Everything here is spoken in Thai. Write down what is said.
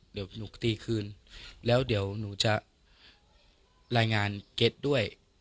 เดี๋ยวหนูตีคืนแล้วเดี๋ยวหนูจะรายงานเก็ตด้วย